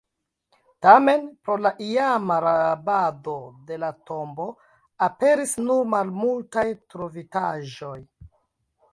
Tamen, pro la iama rabado de la tombo, aperis nur malmultaj trovitaĵoj.